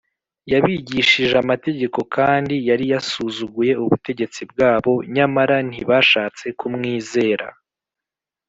y’abigishamategeko kandi yari yasuzuguye ubutegetsi bwabo, nyamara ntibashatse kumwizera.